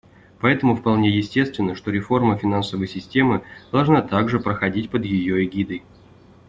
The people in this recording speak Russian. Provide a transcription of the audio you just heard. Поэтому вполне естественно, что реформа финансовой системы должна также проходить под ее эгидой.